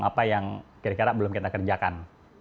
apa yang kira kira belum kita kerjakan